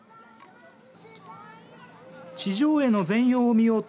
地上絵の全容を見ようと